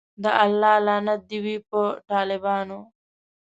د الله لعنت دی وی په ټالبانو